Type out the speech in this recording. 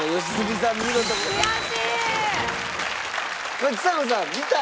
これちさ子さん見たら。